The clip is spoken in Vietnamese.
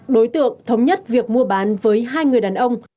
đối tượng thống nhất việc mua bán với hai người đàn ông